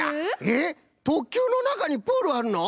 えっ特急のなかにプールあるの？